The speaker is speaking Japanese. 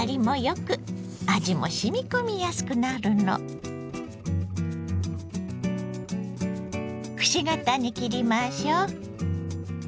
くし形に切りましょう。